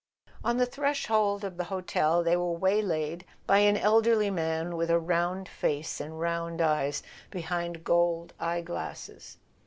On the threshold of the hotel they were waylaid by an elderly man with a round face and round eyes be¬ hind gold eye glasses.